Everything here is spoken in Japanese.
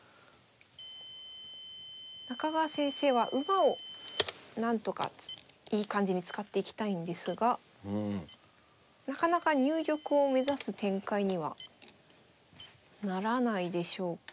中川先生は馬をなんとかいい感じに使っていきたいんですがなかなか入玉を目指す展開にはならないでしょうか。